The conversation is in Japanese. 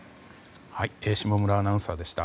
下村アナウンサーでした。